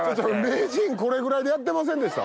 名人これぐらいでやってませんでした？